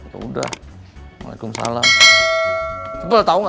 yaudah besok kita obrolin lagi